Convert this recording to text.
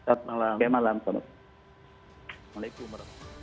assalamualaikum wr wb